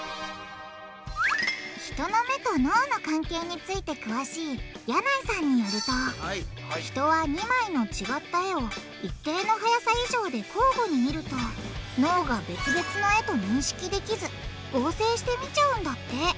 人の目と脳の関係について詳しい矢内さんによると人は２枚の違った絵を一定の速さ以上で交互に見ると脳が別々の絵と認識できず合成して見ちゃうんだって。